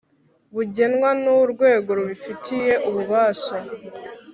bugenwa n urwego rubifitiye ububasha